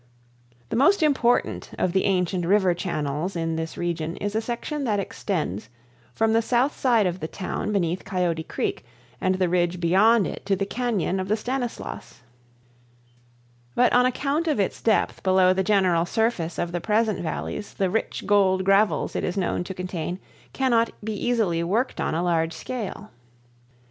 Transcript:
The most important of the ancient river channels in this region is a section that extends from the south side of the town beneath Coyote Creek and the ridge beyond it to the Cañon of the Stanislaus; but on account of its depth below the general surface of the present valleys the rich gold gravels it is known to contain cannot be easily worked on a large scale.